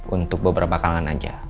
untuk beberapa kalangan aja